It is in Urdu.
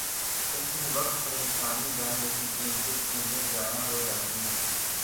اس میں وقت اور انسانی جان جیسی قیمتی چیزوں ضائع ہو جاتی ہیں۔